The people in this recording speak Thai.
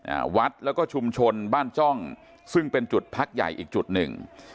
อ่าวัดแล้วก็ชุมชนบ้านจ้องซึ่งเป็นจุดพักใหญ่อีกจุดหนึ่ง